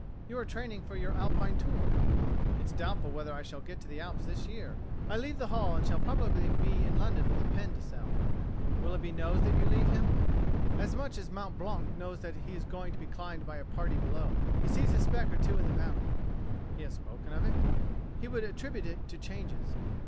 "You are training for your Alpine tour?" "It's doubtful whether I shall get to the Alps this year. I leave the Hall, and shall probably be in London with a pen to sell." "Willoughby knows that you leave him?" "As much as Mont Blanc knows that he is going to be climbed by a party below. He sees a speck or two in the valley." "He has spoken of it." "He would attribute it to changes."